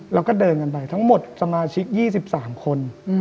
แล้วก็เดินกันไปทั้งหมดสมาชิก๒๓คน